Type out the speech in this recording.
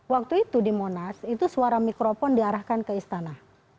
waktu itu di monas itu suara mikrofon diarahkan ke istana